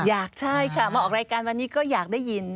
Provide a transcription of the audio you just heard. อยากใช่ค่ะมาออกรายการวันนี้ก็อยากได้ยิน